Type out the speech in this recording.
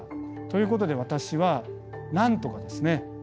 ということで私はなんとかですね